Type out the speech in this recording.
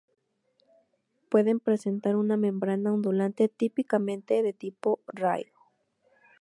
Pueden presentar una membrana ondulante típicamente de tipo rail.